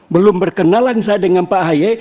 belum berkenalan saya dengan pak ahy